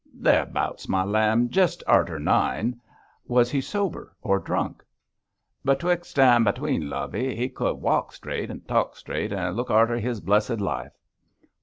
'Thereabouts, my lamb; jes' arter nine!' 'Was he sober or drunk?' 'Betwix' an' between, lovey; he cud walk straight an' talk straight, an' look arter his blessed life.'